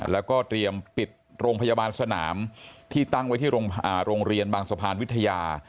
แล้วก็เตรียมปิดโรงพยาบาลสนามที่ตั้งไว้ที่โรงเรียนบางสะพานวิทยา